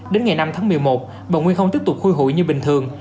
đến ngày năm tháng một mươi một bà nguyên không tiếp tục khui hội như bình thường